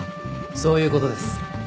そういう事です。